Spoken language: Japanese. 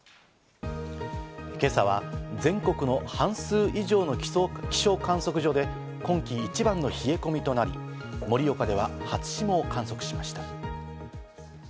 今朝は全国の半数以上の気象観測所で今季一番の冷え込みとなり、盛岡では初霜を観測しました。